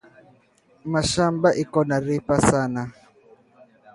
Mashamba iko na ripa sana